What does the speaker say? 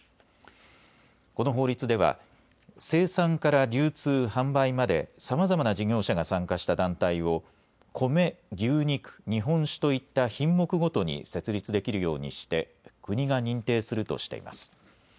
この法律では、生産から流通、販売まで、さまざまな事業者が参加した団体を、コメ、牛肉、日本酒といった品目ごとに設立できるようにして、国が認定するとしています。